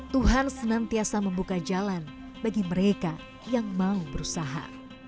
tuhan senantiasa membuka jalan bagi mereka yang mau berusaha